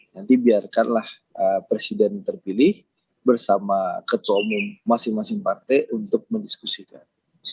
nanti biarkanlah presiden terpilih bersama ketua umum masing masing partai untuk mendiskusikan